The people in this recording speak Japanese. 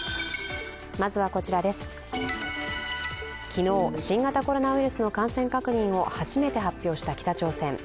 昨日、新型コロナウイルスの感染確認を初めて発表した北朝鮮。